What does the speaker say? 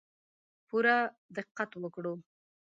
پوره دقت وکړو.